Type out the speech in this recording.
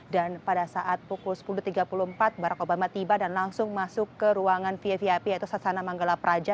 dan pada saat pukul sepuluh tiga puluh empat barack obama tiba dan langsung masuk ke ruangan vvip yaitu satsana manggala praja